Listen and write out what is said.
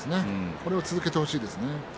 これを続けてほしいですね。